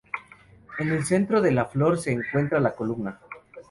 En el centro de la flor se encuentra la columna.